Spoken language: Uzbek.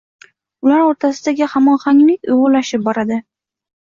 Ular o‘rtasidagi hamohanglik uyg‘unlashib boradi.